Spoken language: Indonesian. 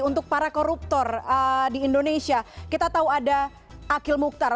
untuk para koruptor di indonesia kita tahu ada akil mukhtar